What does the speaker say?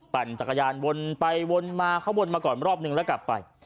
ปั่นจักรยานวนไปวนมาเขาวนมาก่อนรอบนึงแล้วกลับไป